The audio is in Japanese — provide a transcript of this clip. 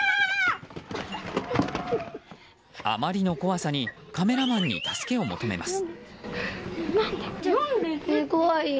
あまりの怖さにカメラマンに助けを求めます。